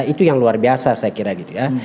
itu yang luar biasa saya kira gitu ya